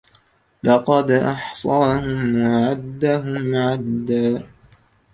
لقد أحصاهم وعدهم عدا